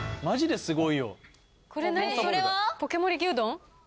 マジですごい。